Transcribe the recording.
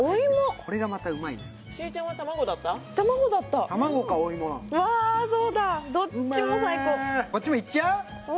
こっちもいっちゃう？